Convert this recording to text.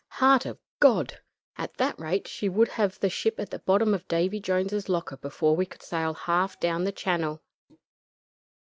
Heart of God! At that rate she would have the ship at the bottom of Davy Jones's locker before we could sail half down the channel."